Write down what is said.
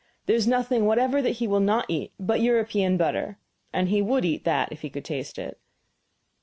There is nothing whatever that he will not eat but European butter, and he would eat that if he could taste it."